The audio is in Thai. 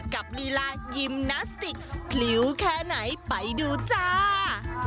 ลีลายิมนาสติกพลิ้วแค่ไหนไปดูจ้า